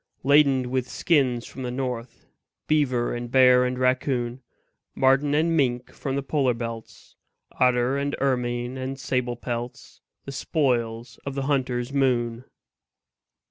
Laden with skins from the north, Beaver and bear and raccoon, Marten and mink from the polar belts, Otter and ermine and sable pelts The spoils of the hunter's moon.